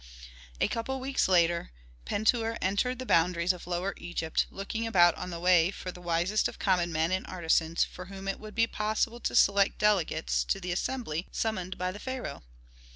A couple of weeks later Pentuer entered the boundaries of Lower Egypt, looking about on the way for the wisest of common men and artisans from whom it would be possible to select delegates to the assembly summoned by the pharaoh.